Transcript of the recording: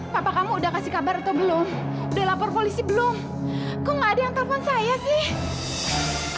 papa kamu udah kasih kabar atau belum udah lapor polisi belum kok nggak ada yang telpon saya sih